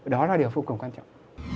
đó là điều phục vụ quan trọng